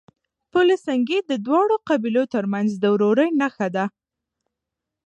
پل سنګي د دواړو قبيلو ترمنځ د ورورۍ نښه وه.